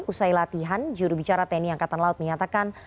usai latihan jurubicara tni angkatan laut menyatakan